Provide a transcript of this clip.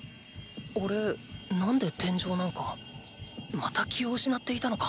おれなんで天井なんかまた気を失っていたのか？